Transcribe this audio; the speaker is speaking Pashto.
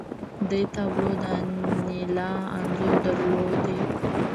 دې تابلو د انیلا انځور درلود